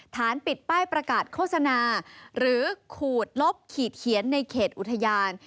ฐานปิดป้ายประกาศโฆษณาหรือขูดลบขีดเขียนในเขตอุทยาน